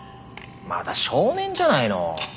まだ少年じゃないの。